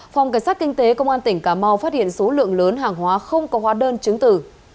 phòng cảnh sát kinh tế công an tỉnh cà mau phát hiện số lượng lớn hàng hóa không có hóa đơn chứng tử